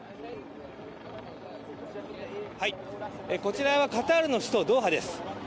こちらはカタールの首都ドーハです。